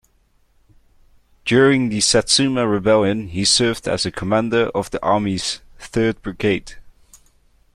During the Satsuma Rebellion, he served as commander of the Army's Third Brigade.